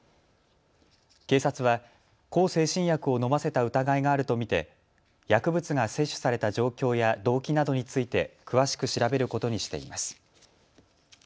警察は向精神薬を飲ませた疑いがあると見て薬物が摂取された状況や動機などについて詳しく調べることにしています。